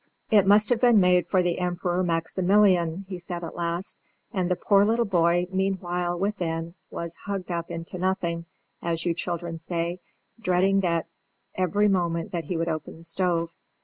"It must have been made for the Emperor Maximilian," he said at last; and the poor little boy, meanwhile, within, was "hugged up into nothing," as you children say, dreading that every moment he would open the stove.